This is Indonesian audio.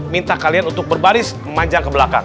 minta kalian untuk berbaris memanjang ke belakang